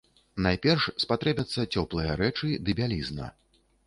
Найперш спатрэбяцца цёплыя рэчы ды бялізна.